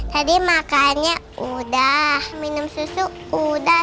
tadi makannya udah minum susu udah